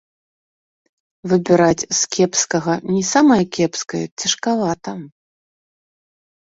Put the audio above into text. Выбіраць з кепскага не самае кепскае цяжкавата.